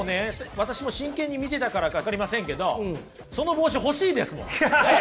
私も真剣に見てたからか分かりませんけどその帽子欲しいですもん。